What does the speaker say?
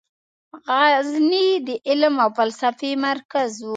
غزني د علم او فلسفې مرکز و.